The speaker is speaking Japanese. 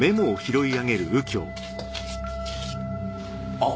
あっ。